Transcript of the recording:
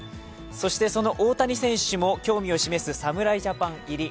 そしてその大谷選手も興味を示す侍ジャパン入り。